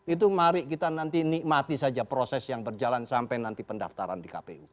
itu mari kita nanti nikmati saja proses yang berjalan sampai nanti pendaftaran di kpu